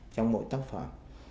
trong mỗi tác phẩm